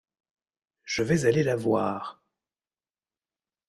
Je vais aller la voir. ..